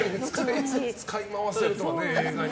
使い回せるとはね、映画に。